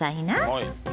はい。